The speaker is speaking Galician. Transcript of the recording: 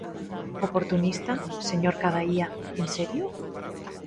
¿Oportunista, señor Cadaía, en serio?